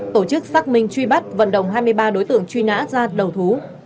tổ chức xác minh truy bắt vận động hai mươi ba đối tượng truy nã ra đầu thú